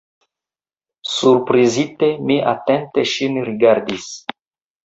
Surprizite, mi atente ŝin rigardis.